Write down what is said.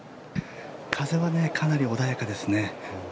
風はかなり穏やかですね。